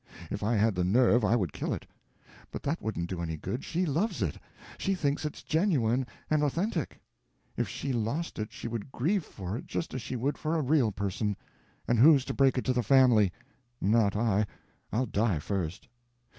If I had the nerve, I would kill it. But that wouldn't do any good. She loves it; she thinks it's genuine and authentic. If she lost it she would grieve for it just as she would for a real person. And who's to break it to the family! Not I—I'll die first.